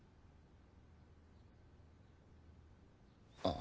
あ？